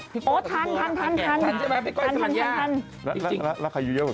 พี่เบิร์ดกับพี่เบิร์ดอ่ะ